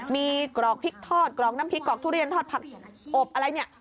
มีกรอกพริกทอดกรอกน้ำพริกกรอกทุเรียนทอดผักอบอะไรเนี่ย